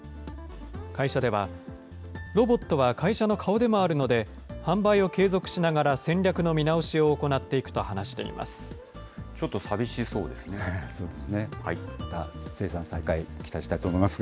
会社では、ロボットは会社の顔でもあるので、販売を継続しながら戦略の見直しを行っていくと話しています。